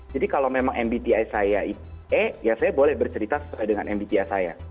jadi kalau mbti saya e ya saya boleh bercerita sesuai dengan mbti saya